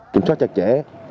kiểm soát chặt chẽ